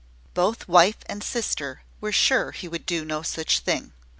Both wife and sister were sure he would do no such thing.